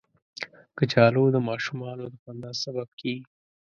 کچالو د ماشومانو د خندا سبب کېږي